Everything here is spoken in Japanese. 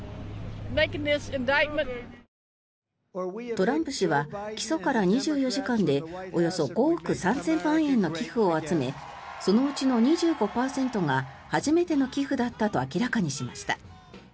トランプ氏は起訴から２４時間でおよそ５億３０００万円の寄付を集めそのうちの２５％が初めての寄付だったと明らかにしました。